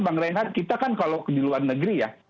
bang reinhardt kita kan kalau di luar negeri ya